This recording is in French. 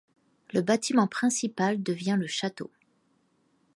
Le bâtiment principal devient le château.